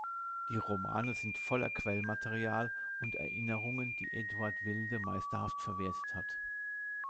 Die Romane sind voller Quellenmaterial und Erinnerungen, die Eduard Vilde meisterhaft verwertet hat.